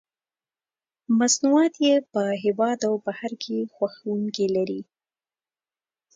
مصنوعات یې په هېواد او بهر کې خوښوونکي لري.